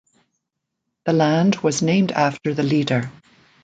The land was named after the leader.